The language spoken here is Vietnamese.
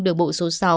đường bộ số sáu